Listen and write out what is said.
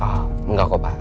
oh enggak kok pak